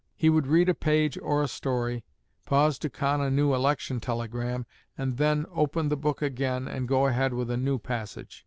He would read a page or a story, pause to con a new election telegram, and then open the book again and go ahead with a new passage.